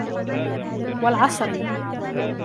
وَالْعَصْرِ